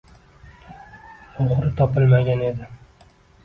O‘g‘ri topilmagan edi